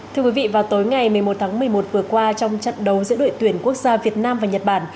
thưa quý vị vào tối ngày một mươi một tháng một mươi một vừa qua trong trận đấu giữa đội tuyển quốc gia việt nam và nhật bản